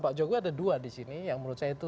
pak jokowi ada dua disini yang menurut saya itu